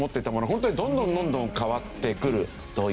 ホントにどんどんどんどん変わってくるというね。